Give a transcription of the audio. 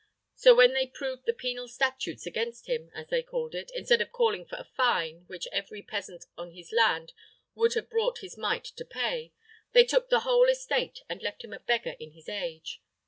So, when they proved the penal statutes against him, as they called it, instead of calling for a fine, which every peasant on his land would have brought his mite to pay, they took the whole estate, and left him a beggar in his age.